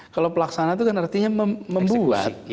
kalau pelaksana itu kan artinya membuat